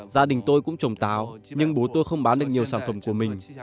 gia đình tôi cũng trồng táo nhưng bố tôi không bán được nhiều sản phẩm của mình